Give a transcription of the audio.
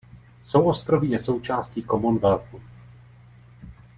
Souostroví je součástí Commonwealthu.